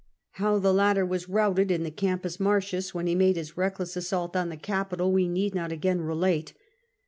How the latter was routed in the Campus Martins when he made his reckless assault on the capital we need not again relate.